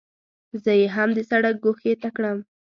زه یې هم د سړک ګوښې ته کړم.